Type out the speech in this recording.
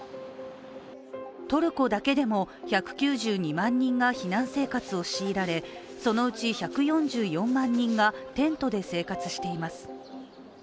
トルコだけでも１９２万人が避難生活を強いられそのうち１４４万人がテントで生活しています。